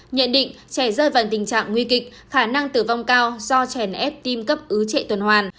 nhận định trẻ rơi vào tình trạng nguy kịch khả năng tử vong cao do chèn ép tim cấp ứ trệ tuần hoàn